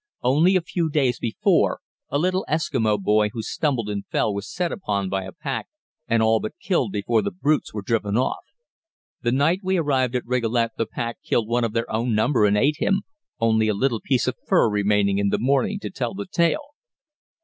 Only a few days before a little Eskimo boy who stumbled and fell was set upon by a pack and all but killed before the brutes were driven off. The night we arrived at Rigolet the pack killed one of their own number and ate him, only a little piece of fur remaining in the morning to tell the tale.